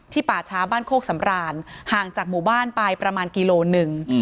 ป่าช้าบ้านโคกสำรานห่างจากหมู่บ้านไปประมาณกิโลหนึ่ง